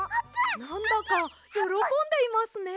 なんだかよろこんでいますね！